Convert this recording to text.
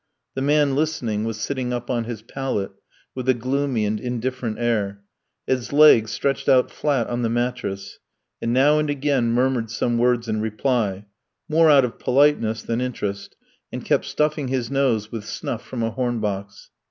The man listening was sitting up on his pallet, with a gloomy and indifferent air, his legs stretched out flat on the mattress, and now and again murmured some words in reply, more out of politeness than interest, and kept stuffing his nose with snuff from a horn box.